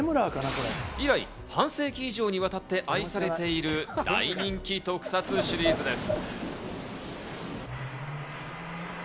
以来、半世紀以上にわたって愛されている大人気特撮シリーズです。